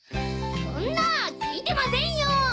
そんな聞いてませんよ！！